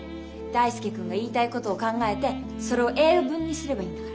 大介君が言いたいことを考えてそれを英文にすればいいんだから。